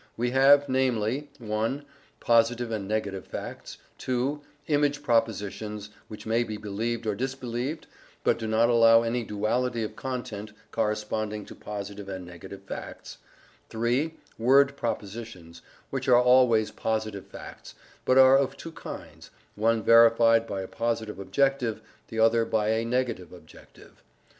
We have, namely: (1) Positive and negative facts; (2) Image propositions, which may be believed or disbelieved, but do not allow any duality of content corresponding to positive and negative facts; (3) Word propositions, which are always positive facts, but are of two kinds: one verified by a positive objective, the other by a negative objective.